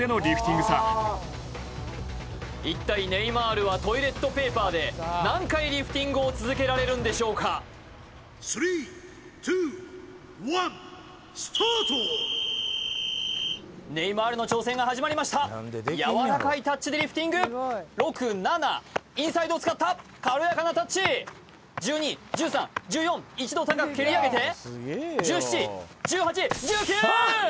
一体ネイマールはトイレットペーパーで何回リフティングを続けられるんでしょうかネイマールの挑戦が始まりましたやわらかいタッチでリフティング６７インサイドを使った軽やかなタッチ１２１３１４一度高く蹴り上げて１７１８１９！